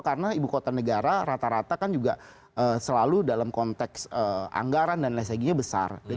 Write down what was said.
karena ibu kota negara rata rata kan juga selalu dalam konteks anggaran dan lain sebagainya besar